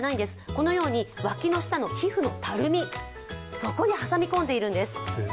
このように、わきの下の皮膚のたるみ、そこに挟み込んでいるんです。